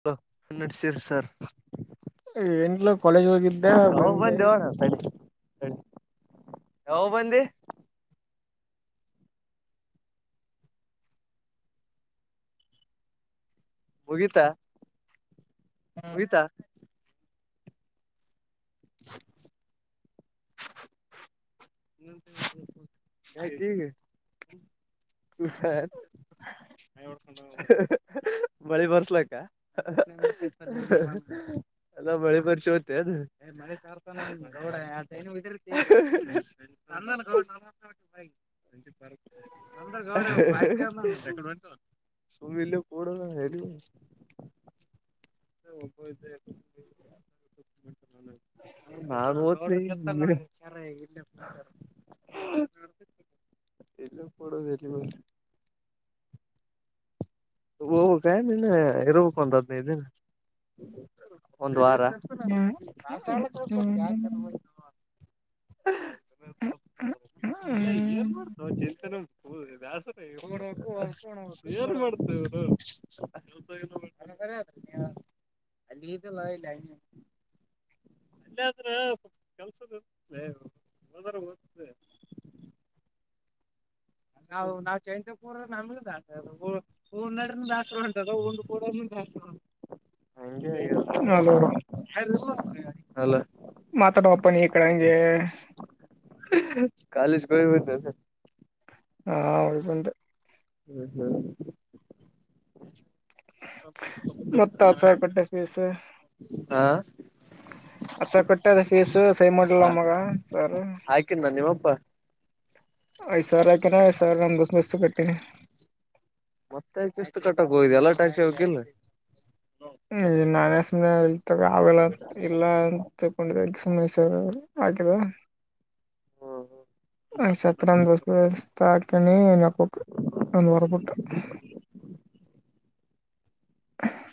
Hello ಎನ್ ನಡಿಸಿರ್ sir ಏನಿಲ್ಲಾ ಕಾಲೇಜ್ ಹೋಗಿದ್ದೆ ಬಂದೆ ರ್ತ [inaudible] [unintelligible] ರಿ ಯಾವಗ ಬಂದಿ ಮುಗಿತಾ -ಮುಗಿತಾ ಹ [inaudible] ಯ ೀ [unintelligible] ಚೂ [inaudible] ಮಳಿ ಬರ್ಸ್ಲಕ್ಕಾ [unintelligible] ಅಲ್ಲ ಮಳೆ ಖರ್ಚು ತ್ತ ಅ [unintelligible] [inaudible] ನನ್ನಾನ ಗೌ [inaudible] ಬ್ರ ಗ [unintelligible] ತುಮ ಇಲ್ಲ ಕೂಡದ ಹೆರಿ [unintelligible] ಒಬ [inaudible] ನಾದ್ೀ [unintelligible] ಅರ ಇಲ್ಲ [unintelligible] [inaudible] ಇಲ್ಲ ಪಡೋ ಬ [unintelligible] ಓ ಕಾಯ ಇನ್ನಾ ಇರ್ಬೇಕು ಒಂದ್ ಐದಿನೈದ ದಿನಾ ಒಂದ್ ವಾರಾ ಇಲ್ಲ ಏರ್ ಮಾಡತ ಚಿಂತಏ [unintelligible] [inaudible] ರ [unintelligible] ಅಲ್ಲಲ್ಲ ಅ ಅಲ್ಲ್ರೆ ಕೆಸ [unintelligible] ಹಏ [inaudible] ಯದರ ಹೋಗ್ೆ [unintelligible] ನಾವು ನಾವ್ ಚೈಂತಪೂರ್ ನಮಗ [unintelligible] ಹ ನಾಡ ಆಸರ್ ಉಂಟದ ಒಂದುೋಡಾಸ [unintelligible] ಹಲೋ, ಅಲ್ಲ [unintelligible] ಮಾತಾಡೋಪ್ಪಾ ನೀನು ಈಕಡೆ ಹಂಗೆ ಕಾಲೇಜಿಗೆ ಹೋಗಿ ಬಂದ್ಯಾ. ಹಾ ಹೋಗಿ ಬಂದೆ ಹ್ಮ್ ಹ್ಮ್ ಮತ್ತ ಆಸಾಯ [unintelligible] ಹಾ ಅಚ್ಚ ಕಟ್ಟೆ ಅದ ಫೀಸ್ ಸಿನ್ ಮಾಡಲ್ಲ ಮಗ ಸರ್. ಹೇಗಿದ್ದಾನೆ ನಿಮ್ಮ ಅಪ್ಪ. ಐದು ಸಾವಿರ ಹಾಕಣ್ಣ [unintelligible] ಮತ್ತೆ ಕಿಸ್ತ್ ಕಟ್ಟಕ್ ಹೋಗಿದೆ [unintelligible] [unintelligible] ಇಲ್ಲ ಅಂತ ತಕೊಂಡ್ರ ಸಮೇಶ್ವರ್ ಹಾಕಿದ. [unintelligible] [inaudible]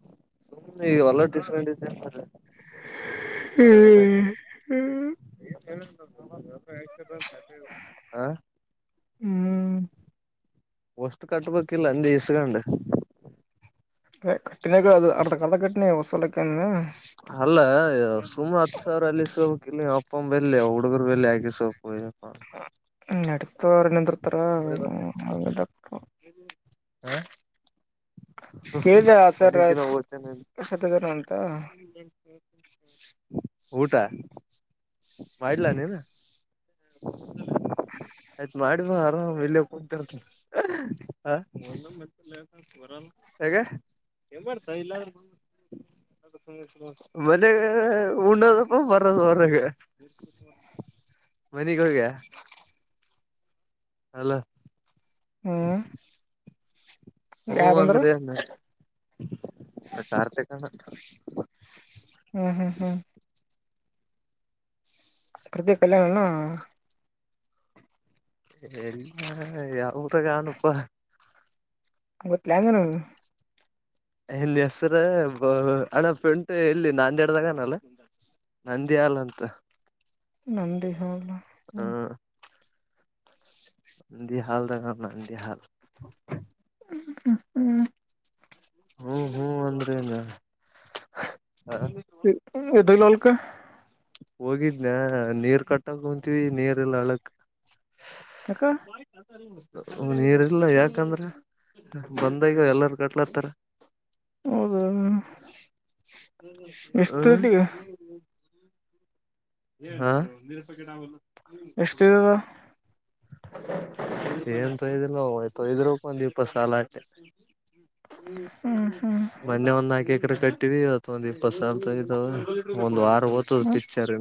[unintelligible] ಹ್ಮ್ [unintelligible] ಹ ಹ್ಮ್ ಕಟ್ಬೇಕಿಲ್ಲ ಇಸ್ಕೊಂಡು. ಕಟ್ಟಿಗಳು ಅದು ಅಡ್ತ ಕಾಲ ಕಟ್ಟನ ಹೊಸಲಕ್ಕೆ. ಅಲ್ಲ ಸುಮ್ ಹತ್ತು ಸಾವಿರ ಅಲ್ಲಿ ಸೋಕ್ ಇಲ್ಲಿ ಅಪ್ಪಮ್ಮ ಬೆಲ್ಲಿ ಹುಡುಗರು ಬೆಲ್ಲಿ ಹಾಕಿ ಸೋಬೇಕುಪ್ಪ. ನಡಸ್ತ್ರ ನಿಂದ್ರೀತರ [unintelligible] [inaudible] ಕೇಳಿದೆ ಸರ್ ಸತ್ಯಧನ ಅಂತ [unintelligible] ಊಟ ಮಾಡಲ ನೀನಾ. [inaudible] ಆಯ್ತ್ ಮಾಡಿ ಆರಾಮ್ ಇಲ್ಲಿ ಕುತಾರ. [unintelligible] ಮನಗೆ ಉಣೋದಪ್ಪ ಬರದು ಹೊರಗೆ. [inaudible] ಮನೆಗ್ ಹೋಗ. ಅಲ್ಲ. ಹಾ [unintelligible] ಹ್ಮ್ ಹ್ಮ್ ಹ್ಮ್ ಪ್ರತಿ ಕಲ್ಯಾಣನ. ಎಲ್ಲ [unintelligible] [unintelligible] ಎನ್ ಹೆಸರು ಅಣ್ಣ ಫ್ರಂಟ್ ಎಲ್ಲಿ ನಾಂದಿ ಡ್ದಾಗನಲ್ಲ. ನಂದಿ ಹಾಲ್ ಅಂತ ನಂದಿಹಾಲ್ ಹ್ಮ ನಂದಿ ಹಾಲ್ [unintelligible] [unintelligible] ಹ್ಮ್ ಹ್ಮ್ ಒಂದ. [unintelligible] [unintelligible] ಹೊಲಕ್ಕ. ಹೋಗಿದ್ನ ನೀರ್ ಕಟ್ಟಕ ಕುಂತೀವಿ ನೀರ್ ಎಲ್ಲ ಹೋಳಕ್ ಯಾಕ. ನೀರ್ಲ್ಲ ಯಾಕಂದ್ರೆ ಬಂದಾಗ್ಯ ಎಲ್ಲಾರ ಕಟ್ಲಾತ್ತಾರ. ಹೌದ ಹ ಏ ಒಿ ರೂಪಾಯಿ ಕಡಬೋಲ್ಲ [inaudible] ಎಷ್ಟು ಇದವ್. ಏನ್ಂತಯ್ದಿಲ್ಲತಯ್ದ್ರುೂಪ ಒಂದು ಇಪ್ಪತ್ತು ಸಾಲ ಆಕೆ. ್ಮ ಹ್ಮ್ [unintelligible] ಮೊನ್ನೆ ಒಂದ್ ನಾಕ ಎಕರೆ ಕಟ್ಟಿವ ಇವತ್ತು ಒಂದ್ ಇಪ್ಪತ್ ಸಲ್ ತಗಿದಾವ ಒಂದ್ ವಾರ. ತದು ಪಿಚರ್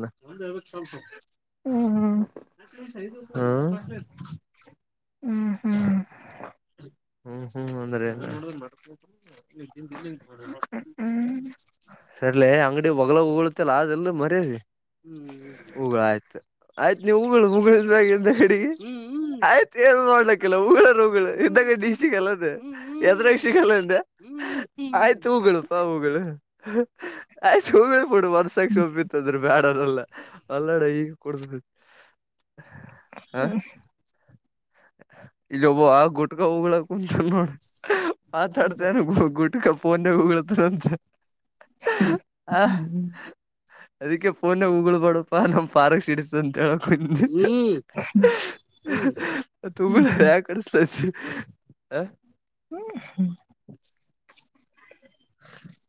ಹ್ಮ್ ಹ್ಮ್ [unintelligible] ಹ್ಮ್ ಹ್ಮ್ ಹ್ಮ್ ಹ್ಮ್ ಹ್ಮ್ ಅಂದ್ರೆ ಹ್ಮ್ ಸರಿಲ್ಲ ಅಂಗ. ಒಗಳ ಹುಗಲ್ಲ ಅದೆಲ್ಲ ಮರ್ಯದ ಹುಗಳ ಆಯ್ತ ಆಯ್ತ್ ನಿನ್ ಉಗುಳು ನೀವು ಹುಗಳು ಮುಗಾಗಡಿ ಆಯ್ತ್ ಎಲ್. ಲ್ಲ ಹಗಳರುಗಳು ಇದಾಗ ಡಿಲ್ಲದ ಎದ್ರಕ್ಷಕ್ಲ್ಲ್ದೆ [unintelligible] ಆಯ್ತು ಹೂಗಳಪಾ ಹಗಳು ಆಯ್ತು ಹುಗುಳು ವರ್ಸಕ್ ಸೊಪಿತ್ತದ್ರ ಬ್ಯಾಡ. ಲ್ಲ ಅಲ್ಲಡೆ ಈಗ ಕೊಡ್ತ. ಹ್ಮ ಇಲ್ಲಿ ಒಬ್ಬ ಆ ಗುಟ್ಕ ಹೋಗಳಕ್ ಕುಂತಲ್ ನೋಡ ಮಾತಾಡ್ತನ ಗು. ಫೋನ್ಗ ಉಗುಲ್ತಾರ್ ಅಂತೆ.... ಹಾ. ಹ್ಮ್ ಅದಕ್ಕೆ ಫೋನ ಉಗುಳ್ ಬಡಪ್ಪ ನಮ್ ಫಾರಕ್ಸ್ ಸಿಡಸಿ. ಸಂಂತಳ ಕು [unintelligible] ತುಂಬಳ ಯ ಕಡ್ಸತ ಅ [unintelligible] ಹ್ಮ್ ಹ್ಮ ಹ [inaudible]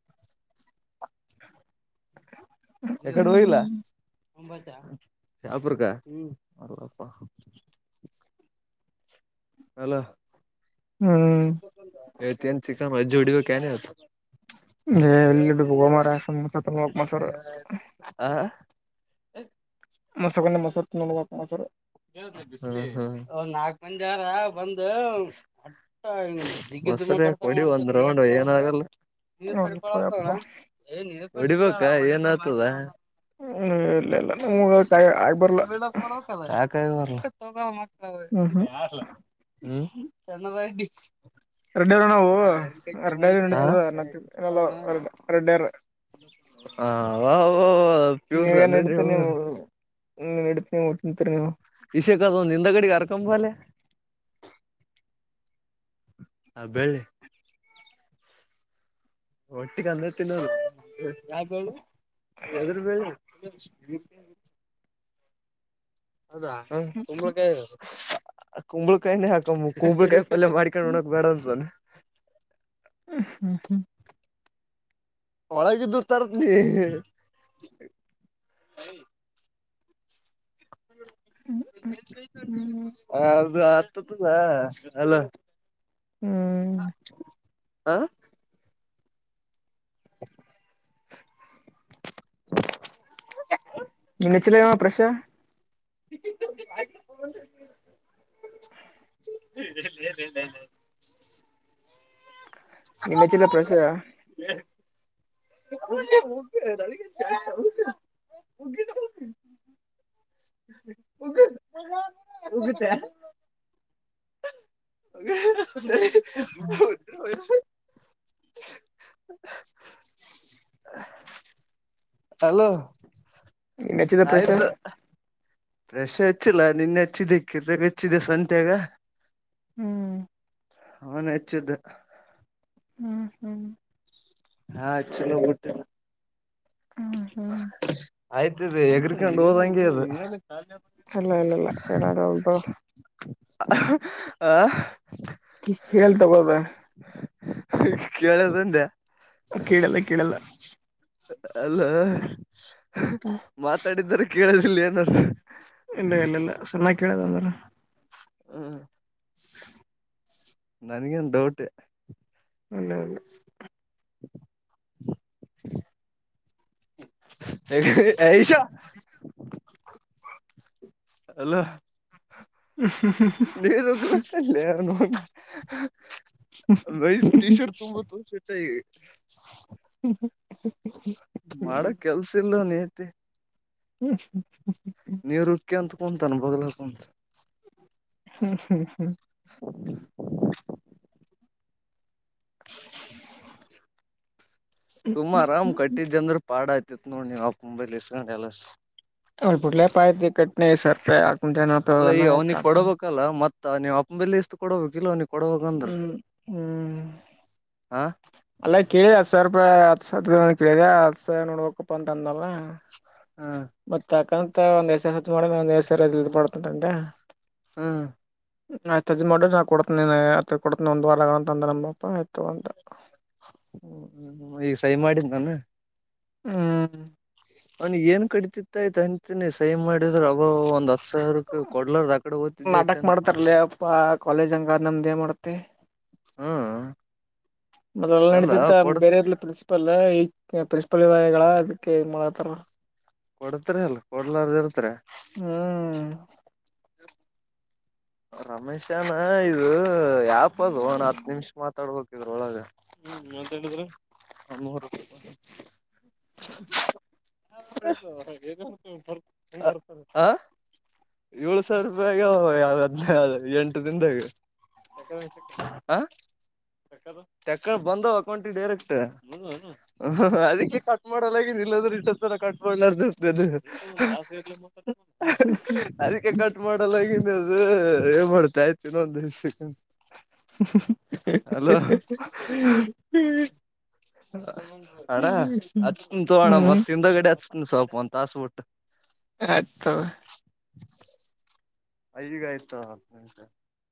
ಹ್ಮ್ ಯಕಡೆ ಹೋಗಲ್ಲ ಶಪ [unintelligible] ಹಲೋ ಹ್ಮ್ ಈವತ್ ಏನ್ ಚಿಕನ ವಜ್ಜಿ ವಾಡಿಬೇಕ್ ಏನ್. ಎಲ್ಲಿಡ್ಡು ಹೋಮಾರ ಸಸ ಹೋಗ ಮಸರ್. ಹ ಮೊಸೊಂಡ ಮೊರ್ ನೋಡಬೇಕ ಮೊಸರ್. ಹಾ ಹಾ ಒಂದು ನಾಲ್ಕ್ ಮಂದಿ ಯಾರ ಬಂದು. ರಿ ಕೊಡಿ ಒಂದ್ ರೌಂಡ್ ಹೊಡಿ ಏನಾಗಲ್ಲ. ನೀವಕಳ ನೋಡ್ಲಪ್ಪ ಯಪ್ಪ ಹೊಡಿಬೇಕ ಏನ್ ಆತದ. ಹ್ಮ ಇಲ್ಲ ಇಲ್ಲ ನ್ ಯಾಕ್ ಆಗ್ಬರ್ಲ್ಲ. ಕಡಕಲ್ಲ ತ ಹ್ಮ್ ಹ್ಮ್ [unintelligible] ಹ್ಮ್ ಚನ್ನ ಬಿ [unintelligible] ರೆಡ್ಡರು ನಾವು ರರಡ್ಡ್ಯ್ರ ನಡಿತದ ರೆಡರು. ಹಾ ವ [unintelligible] ನೀವ ಏನ್ ಹಡತರಿ ನೀವು ನೀನ್ ಹಡತಿ ನೀ್ಟ್ಟ ನಿಂತರಿ ನೀವು [unintelligible] ಇಷೇಕದ ಒಂದು ಹಿಂದಗಡಿಗೆ ಹರ್ಕೊಂಬಾಲೆ. ಹ ಬೆಳ್ಳಿ [unintelligible] ಒಟ್ಟಿಗೆ ಅನ್ನ ತಿನ್ನೋದು ಯಾ ಬು [unintelligible] ಎದರು ಬಿ ಅದಾ ಕುಂಬಳಕಾಯಿ, ಕುಂಬಳಕಾಯನೇ ಹಾಕ ಕುಂಬಳಕಾಯ ಎಲ್ಲ ಮಾಡಕೊಂಡು ಉಣಕ ಬ್ಯಾಡ ಅಂತಾದನು. ಹ ಹ್ಮ ಹ್ಮ [unintelligible] ಒಳಗಿದ್ದು ತರತೀನಿ ಹ್ಮ್ ಹದು ಆತ ಅಲ [unintelligible] ಹಾ [inaudible] [inaudible] ನಿನ್ೆಚ್ಚಲವ ಪ್ರಶಾ [unintelligible] [inaudible] ನಿನು ಹೆಚ್ಚಿಲ್ಲಾ ಪ್ರಸಗ ಹ್ಮ [inaudible] ಮುಗ [unintelligible] ಉಗ ಉಗುತ್ತೆ [inaudible] [unintelligible] ಅಲೋ ನಿನ್ ಹಚ್ಚಿದ ಪ್ರಶ ಆಯ್ತು ಪ್ರಷ ಹೆಚ್ಚಿಲ್ಲ ನಿನ್ನೆ ಹೆಚ್ಚಿದ್ದೆ ಕಿರಣಗ್ ಹಚ್ಚಿದೆ ಸಂತ್ಯಾಗ ಹ್ಮ್, ಅವನೆ ಹೆಚ್ಚಿದ್ದ ಹ್ಮ್, ಹ್ಮ್ ಯಾ ಹಚ್ಚಿಲ್ಲಾಬುಟ್ಟ್ಟಿಲ್ಲಾ ಹ್ಮ್ ಹ್ಮ್ ಆಯ್ತ್ರೀ ಎಗರ್ಕೊಂಡ್ ಹೋದಂಗೆ ಇದ ಅಲ್ಲ ಇಲ್ಲಲ್ಲ ಯಡಾಗ ಉು [unintelligible] ಆ [inaudible] ಕೇಳ್ ತಗೋದ [unintelligible] [unintelligible] ಕೇಳದಂದೆ ಕೇಳಲ್ಲ- ಕೇಳಲ್ಲ ಅದಾ ಮಾತಾಡಿದನ ಕೇಳದಿಲ್ಲೆನಂದು. ಇಲ್ಲ ಇಲ್ಲ ಇಲ್ಲ ಚೆನ್ನಾಗಿ ಕೇಳಿದ ಅಂದ್ರ ಹ್ಮ್, ನನ್ಗೇನ್ ಡೌಟ್ ಅಲ್ಲಲ್ಲ [inaudible] ಐಷಾ [unintelligible] [inaudible] ಅಲ್ಲಾ ನೀರ ಉಗ್ಗಲತ್ತ್ನ ಲೇ ಅವ್ನೌನ ನೈ ಟೀ ಶರ್ಟ್ ತುಂಬ ತೋಸತ ಈ [unintelligible] [inaudible] ಮಾಡೋ [unintelligible] ಕೆಲ್ಸ ಇಲ್ಲಾ ಲೇ [unintelligible] ನಿತಿ ಹ್ಮ್ ಹ್ಮ್ ಹ್ಮ್್ಮ್್ಮ್ [inaudible] ನೀರುಕಾಂತ ಕುಂತಾನ ಬಗಲಗಕುಂತ. ಹ್ಮ್ ಹ್ಮ್ ಹ್ಮ್ [inaudible] ಹೆ [unintelligible] [inaudible] ಸುಮ್ ಆರಾಮ್ ಕಟ್ಟಿದ್ದ್ ಅಂದ್ರೆ ಪಾಡ್ ಆಯತಿತ್ ನೋಡ್ ನೀ ಆಕ್ ಮುಂಬೈಲ್ ಇಸ್ಕೊಂಡ ಎಲ್ಲ. ಅವ್ ಬಿಡ್ಲೆಪ ಆಯ್ತಿ ಕಟ್ ಸರ್ ರೂಪಾಯಿ ಆಕ್ತಂದ್ರ ನೂಪ ಆಯತ ಆಗ್ತಾನ. ಹಾಕಲ್ಲ ಮತ್ತ ನೀವ್ ಅಪ್ಪ ಬೆಲಿ ಇಷ್ಟು ಕೊಡಬೇಕ ಕ ಇಲೋ ನೀ ಕೊಡವಾಗಂದ್ರ. ಹ್ಮ್ ಹಾ ಅಲ್ಲೇ ಕೇಳಿದೆ ಹತ್ ಸಾವಿರ ರೂಪಾಯಿ ಹತ್ ಸರ ಕೇಳಿದೆ ಹತ್ ಸಾವಿ ನೋಡ್ಬೇಕಪ್ಪಾ ಅಂತ ಅಂದಲ್ಲ. ಹಾ ಮತ್ತ ಅಕಂತ ಒಂದ್ ಎ ಸ ಹತ್ ಮಾಡ ಒಂದ್ ಸಡತಂತಂತೆ [inaudible] ಹ್ಮ್ ಆಯ್ತ ತಜ್ ಮಾಡ್ರ ನ ಕೊಡತ ಕೊಡತ ಒಂದ ವಾರಗಂತ ಅಂದ ನಮ್ಮಪ್ಪಾ ಆಯ್ತು ಅಂತ. ಹ ಈಗ ಸಹಿ ಮಾಡಿದ್ದ ನಾನ. ಹ್ಮ್ ಅವನು ಏನ್ ಕಡಿತತಿತ್ತಾಯತ್ ಅಂತನಿ ಸೈ ಮಾಡ. ನಡಿದ್ರ ಅಬ ಒಂದ್ ಹತ್ ಸಾವಿರಕ್ಕೆ ಕೊಡ್ಲಾರ ಆಕಡೆಓದ್ತಿದ್ದೈತೆ. ತರಲ ಅಪ್ಪ ಕಾಲೇಜ್ ಹಂಗಗೆ ನಮ್ದೇ ಮಾಡತೆ. ಹ್ಮ ಮತ್ತ ಎಲ್ಲ ನಡತ ಬೇರೆ ಪ್ರಿನ್ಸಿಪಲ್ ಈ ಪ್ರಿನ್ಸಿಪಲ್ ಇದ ಈಗಳ ಅದಕ್ಕೆ ಮಾಡತಾರ. ಕೊಡ್ತರಿ ಅಲ್ ಕೊಡ್ಲಾರ್ದ ಇರ್ತ್ರಿ. ಹ್ಮ್ ಹ ರಮೇಶನಾ ಇದು ಯಾಪ ಅದು ಒನ್ ಹತ್ ನಿಮಿಷ ಮಾತಾಡ್ಬೇಕಿದ್ರ ಒಳಗ. ಹ್ಮ್ ಮಾತ ಹೇಳಿದ್ರೆ [unintelligible] [inaudible] ಏಳು ಸಾವಿರ ರೂಪಾಯಿಗಾವ್ ಅ ಅದು ಎಂಟು ದನ್ದಾಗ ಆ. ತಕ್ಕ ಬಂದ್ ಅಕೌಂಟಿ ಡೈರೆಕ್ಟ್. ಹ ಅದಕ್ಕೆ ಕಟ್ ಮಾಡಲ್ಲಾಗಿ ನಿಲ್ಲದ್ರೆ ಇಷ್ಟತರ ಕಟ್ ಮಾಡಲಾರರ್ತ ಅದು. ಹ್ಮ... ಹ್ಮ್. ಅದಕ್ಕೆ ಕಟ್ ಮಾಡಲ್ಲಗನ್ ಅದು ಏ ಮಾಡ್ತಾ ಆತಿ ಇನ್ನೊಂದ್ ದಿವಸಕ್. ಹಲೋ... ಹ್ಮ್ ಅಣ್ಣ ಹಚ್ತನ ತೋಗೋಣ ಹ್ಮ್ ಮತ್ತ ಇಂದ ಗಡೆ ಹಚ್ತನ ಸ್ವಲ್ಪ್ ಒತ್ ಬಿಟ್ಟು. ಆತ ತೊಗೊ. ಈಗಯ್ ಐದಸಾವಿರ್.